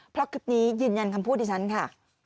เพราะคลิปนี้ยืนยันคำพูดดิฉันค่ะ